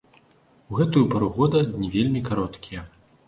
У гэтую пару года дні вельмі кароткія.